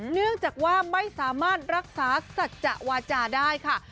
เนื่องจากว่าไม่สามารถรักษาสัจจะวาจาได้ค่ะ